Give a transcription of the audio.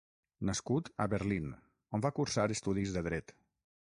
Nascut a Berlín, on va cursar estudis de Dret.